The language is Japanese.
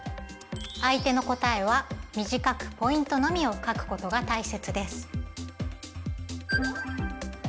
相手の答えは短くポイントのみを書くことがたいせつです。